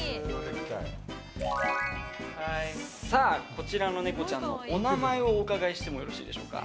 こちらのネコちゃんのお名前をお伺いしてもよろしいでしょうか。